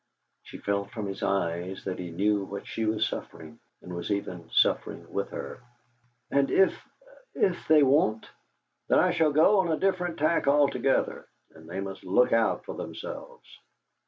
She felt from his eyes that he knew what she was suffering, and was even suffering with her. "And if if they won't?" "Then I shall go on a different tack altogether, and they must look out for themselves."